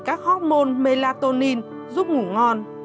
các hormôn melatonin giúp ngủ ngon